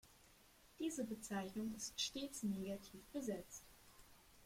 Diese Bezeichnung ist stets negativ besetzt.